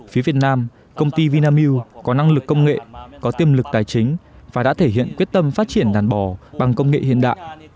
phía việt nam công ty vinamilk có năng lực công nghệ có tiềm lực tài chính và đã thể hiện quyết tâm phát triển đàn bò bằng công nghệ hiện đại